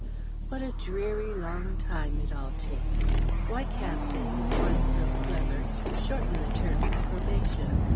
What a dreary long time it all takes! Why can't they, with one so clever, shorten the term of probation?